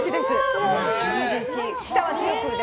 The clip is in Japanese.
下は１９で。